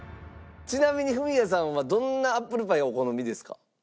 ちなみにフミヤさんはどんなアップルパイがお好みですか？